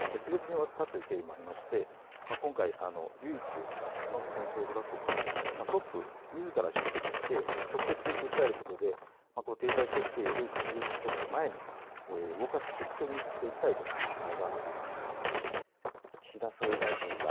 再検討会議、前回は決裂に終わったという形でありまして今回、唯一の戦争被爆国のトップ、みずから出席して直接訴えることで停滞してきている核軍縮交渉を前に動かすきっかけにしていきたいという考えがあると思います。